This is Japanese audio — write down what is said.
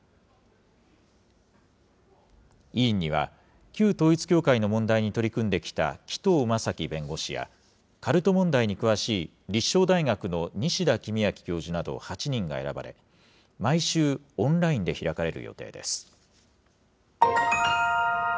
委員には、旧統一教会の問題に取り組んできた紀藤正樹弁護士や、カルト問題に詳しい立正大学の西田公昭教授など８人が選ばれ、毎週、オンラインで開かれる予定です。